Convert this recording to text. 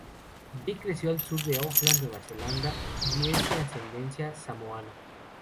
Jay creció al sur de Auckland, Nueva Zelanda y es de ascendencia samoana.